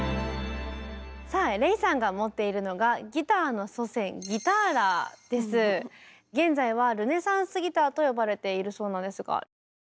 さあＲｅｉさんが持っているのが現在はルネサンスギターと呼ばれているそうなんですが。